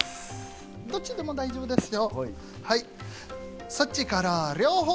どっちでも大丈夫ですよ。